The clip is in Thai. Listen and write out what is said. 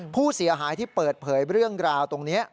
ผู้เสียหายที่เปิดเผยเรื่องราวตรงนี้